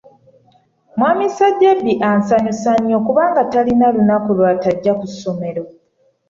Mwami Sajjabbi ansanyusa nnyo kubanga talina lunaku lwatajja ku ssomero.